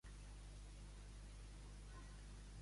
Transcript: Quina edat té Akihito ara?